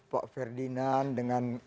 pak ferdinand dengan